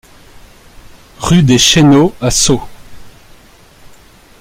Rue des Chéneaux à Sceaux